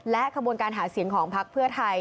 ขบวนการหาเสียงของพักเพื่อไทย